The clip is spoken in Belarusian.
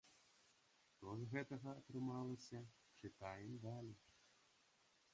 Што з гэтага атрымалася, чытаем далей.